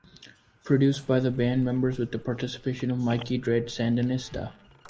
Produced by the band members with the participation of Mikey Dread, Sandinista!